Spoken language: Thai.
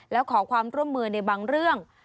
แล้วขอความร่วมมือในบางเรื่อง